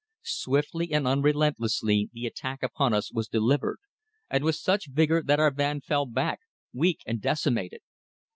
Swiftly and unrelentlessly the attack upon us was delivered, and with such vigour that our van fell back, weak and decimated.